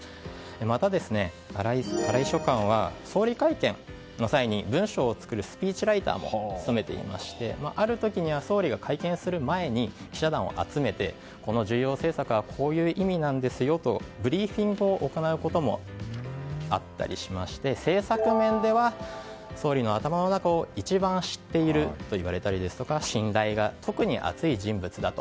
また、荒井秘書官は総理会見の際に文章を作るスピーチライターも務めていましてある時には総理が会見する前に記者団を集めてこの重要政策はこういう意味なんですよとブリーフィングを行うこともあったりしまして政策面では総理の頭の中を一番知っているといわれたりですとか信頼が特に厚い人物だと。